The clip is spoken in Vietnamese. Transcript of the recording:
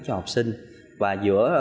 cho học sinh và giữa